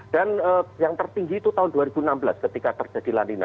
dan yang tertinggi itu tahun dua ribu enam belas ketika terjadi lanina